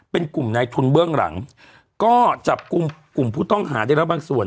เป็นกลุ่มในทุนเบื้องหลังก็จับกลุ่มกลุ่มผู้ต้องหาได้แล้วบางส่วน